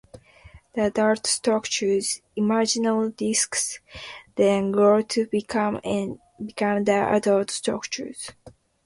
The adult structures, imaginal discs, then grow to become the adult structures.